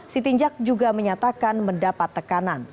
sitinjak juga menyatakan mendapat tekanan